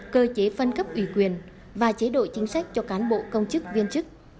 quản lý quyền và chế độ chính sách cho cán bộ công chức viên chức